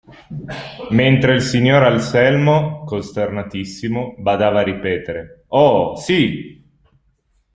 Mentre il signor Anselmo, costernatissimo, badava a ripetere: "Oh, sì".